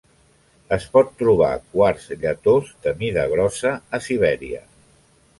Es pot trobar quars lletós de mida grossa a Sibèria.